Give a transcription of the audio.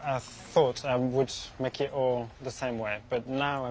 そう。